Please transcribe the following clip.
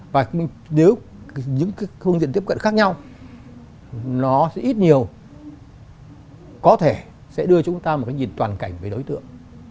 và nếu những cái phương diện tiếp cận khác nhau nó sẽ ít nhiều có thể sẽ đưa chúng ta một cái nhìn toàn cảnh về đối tượng